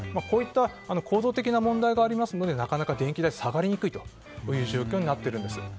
こういった構造的な問題がありますのでなかなか電気代は下がりにくい状況になっているんです。